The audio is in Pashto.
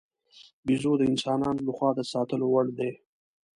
بیزو د انسانانو له خوا د ساتلو وړ دی.